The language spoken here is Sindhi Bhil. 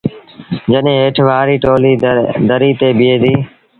جڏهيݩ هيٺ وآريٚ ٽوليٚ دريٚ تي بيٚهي ديٚ۔